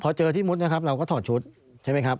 พอเจอที่มุดนะครับเราก็ถอดชุดใช่ไหมครับ